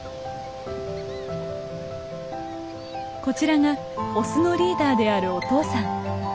こちらがオスのリーダーであるお父さん。